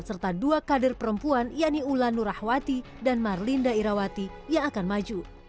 serta dua kader perempuan yani ulanurahwati dan marlinda irawati yang akan maju